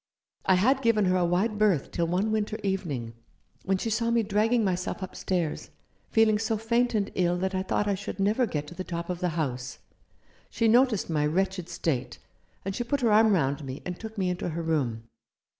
"I had given her a wide berth till one winter evening, when she saw me dragging myself up stairs, feeling so faint and ill that I thought I should never get to the top of the house. She noticed my wretched state, and she put her arm round me and took me into her room.